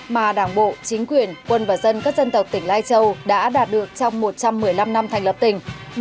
mà đảng bộ chính quyền quân và dân các dân tộc tỉnh lai châu đã đạt được trong một trăm một mươi năm năm thành lập tỉnh